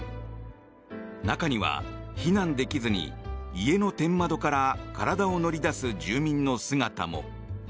中には避難できずに家の天窓から体を乗り出す住民の姿も。